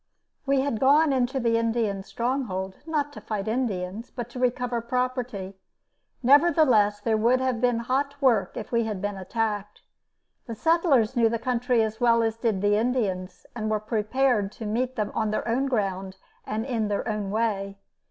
We had gone into the Indian stronghold not to fight Indians, but to recover property. Nevertheless, there would have been hot work if we had been attacked. The settlers knew the country as well as did the Indians and were prepared to meet them on their own ground and in their own way.